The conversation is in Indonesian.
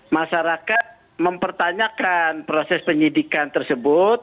masyarakat mempertanyakan proses penyidikan tersebut